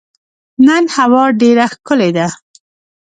نن هوا ډېره ښکلې ده.